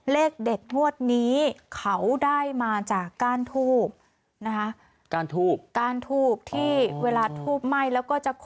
เลขเด็ดนวดนี้เขาได้มาจากก้านทูบนะคะก้านทูบก้านทูบที่เวลาทูบไหม้แล้วก็จะ